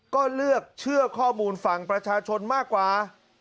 ก็เลือกเชื่อข้อมูลฝั่งประชาชนมากกว่า